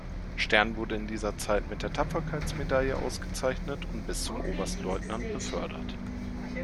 Stern wurde in dieser Zeit mit der Tapferkeitsmedaille ausgezeichnet und bis zum Oberstleutnant befördert.